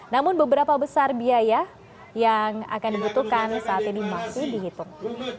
namun beberapa besar biaya yang akan dibutuhkan saat ini masih dihitung